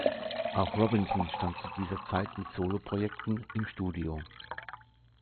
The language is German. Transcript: Auch Robinson stand zu dieser Zeit mit Soloprojekten im Studio.